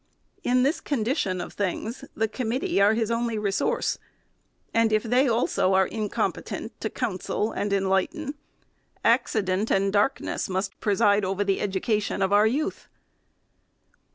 In this condition of things, the committee are his only resource ; and, if they also are incompetent to counsel and enlighten, acci dent and darkness must preside over the education of our youth.